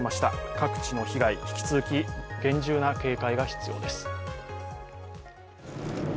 各地の被害、引き続き厳重な警戒が必要です。